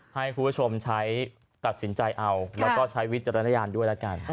ให้คุณผู้ชมใช้ตัดสินใจเอาแล้วก็ใช้วิจารณญาณด้วยแล้วกัน